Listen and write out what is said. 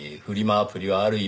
アプリはある意味